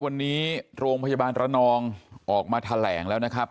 วันนี้โรงพยาบาลระนองออกมาแถลงแล้วนะครับ